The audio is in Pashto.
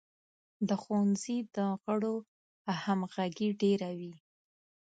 د ښوونځي د غړو همغږي ډیره وي.